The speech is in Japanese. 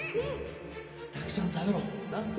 たくさん食べろなっ？